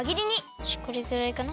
よしこれぐらいかな？